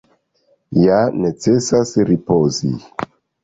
Ja necesas ripozi.